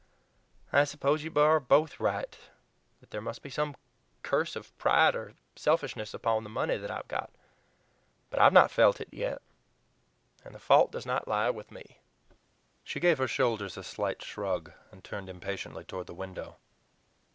I suppose that you are both right; that there must be some curse of pride or selfishness upon the money that I have got; but I have not felt it yet, and the fault does not lie with me." She gave her shoulders a slight shrug, and turned impatiently toward the window.